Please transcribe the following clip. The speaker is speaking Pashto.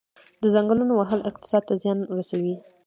د ځنګلونو وهل اقتصاد ته زیان رسوي؟